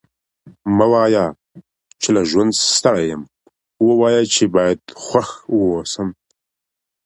مه وايه! چي له ژونده ستړی یم؛ ووايه چي باید خوښ واوسم.